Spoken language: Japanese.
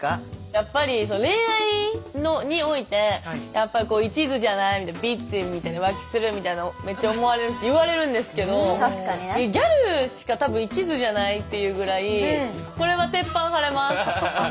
やっぱり恋愛においてやっぱりいちずじゃないみたいなビッチみたいな浮気するみたいなめっちゃ思われるし言われるんですけどギャルしか多分いちずじゃないっていうぐらいこれは鉄板張れます。